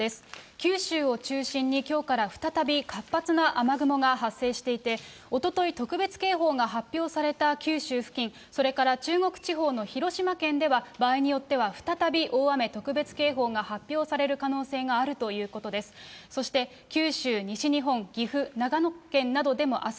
九州を中心にきょうから再び活発な雨雲が発生していて、おととい、特別警報が発表された九州付近、それから中国地方の広島県では、場合によっては再び大雨特別警報が発表される可能性があるということです。